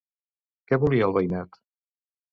Què volia el veïnat?